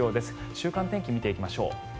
週間天気を見ていきましょう。